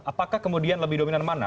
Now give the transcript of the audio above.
apakah kemudian lebih dominan mana